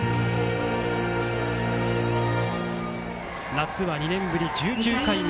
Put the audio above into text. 夏は２年ぶり１９回目。